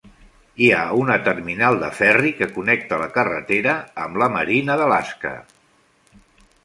Hi ha una terminal de ferri que connecta la carretera amb la Marina de l'Alaska.